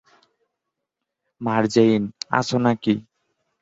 মার্জেইন, আছো নাকি?